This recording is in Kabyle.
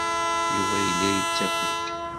Yuba yella yettaki-d.